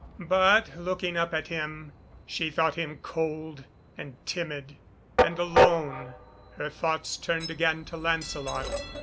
But looking up at him, she thought him cold, and, timid and alone, her thoughts turned again to Lancelot.